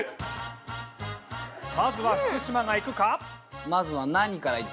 まずは福島がいくか？